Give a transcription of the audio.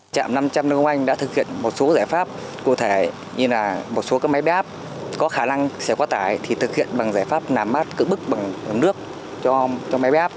trạm năm trăm linh nông anh đã thực hiện một số giải pháp cụ thể như là một số máy biến áp có khả năng sẽ qua tải thì thực hiện bằng giải pháp nằm mát cự bức bằng nước cho máy biến áp